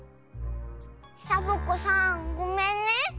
サボ子さんごめんね。